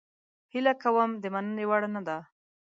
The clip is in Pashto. هیله کوم د مننې وړ نه ده.